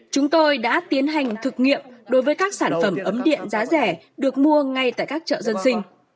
chúng tôi đã tiến hành thực nghiệm đối với các sản phẩm ấm điện giá rẻ được mua ngay tại các chợ dân sinh